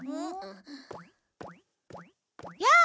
やあ！